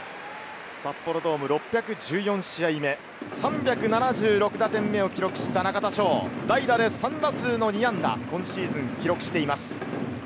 札幌ドーム６１４試合目、３７６打点目を記録した中田翔、代打で３打数の２安打、今シーズン記録しています。